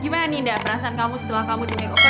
gimana ninda perasaan kamu setelah kamu di makeover